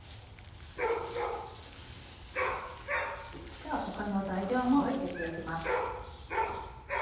では他の材料も入れていきます。